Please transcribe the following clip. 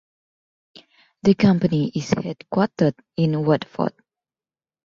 The company is headquartered in Watford.